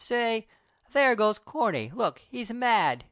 Say "there goes Corney, look he's mad!